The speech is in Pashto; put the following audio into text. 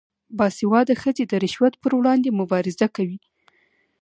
باسواده ښځې د رشوت پر وړاندې مبارزه کوي.